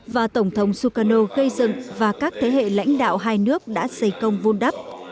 và tổng thống sukano gây dựng và các thế hệ lãnh đạo hai nước đã xây công vun đắp